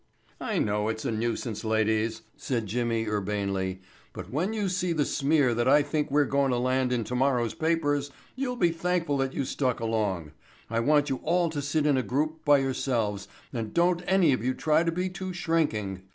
"I know it's a nuisance, ladies," said Jimmy urbanely, "but when you see the smear that I think we're goin' to land in tomorrow's papers you'll be thankful that you stuck along. I want you all to sit in a group by yourselves and don't any of you try to be too shrinking.